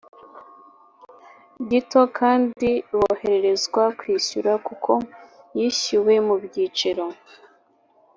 gito kandi boroherezwa kwishyura kuko yishyuwe mu byiciro